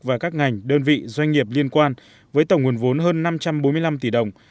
và các ngành đơn vị doanh nghiệp liên quan với tổng nguồn vốn hơn năm trăm bốn mươi năm tỷ đồng